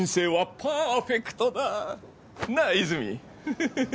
フフフ。